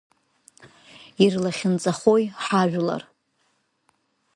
Ирлахьынҵахои ҳажәлар?